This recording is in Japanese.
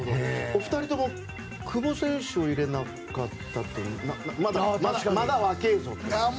お二人とも久保選手を入れなかったのはまだ若いぞという。